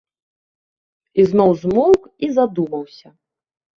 І зноў змоўк і задумаўся.